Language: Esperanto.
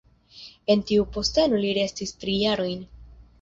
En tiu posteno li restis tri jarojn.